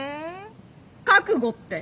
覚悟って？